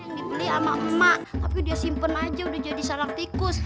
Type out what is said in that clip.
yang dibeli sama emak tapi dia simpen aja udah jadi sarang tikus